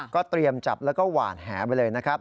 ก็เตรียมจับแล้วก็หวานแหไปเลยนะครับ